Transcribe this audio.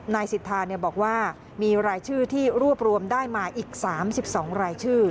นายสิทธาบอกว่ามีรายชื่อที่รวบรวมได้มาอีก๓๒รายชื่อ